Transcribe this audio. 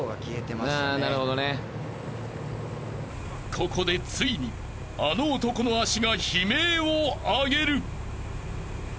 ［ここでついにあの男の足が悲鳴をあげる］